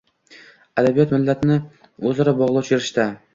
Adabiyot – millatlarni o‘zaro bog‘lovchi rishta